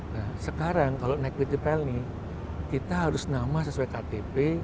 nah sekarang kalau nequity pelni kita harus nama sesuai ktp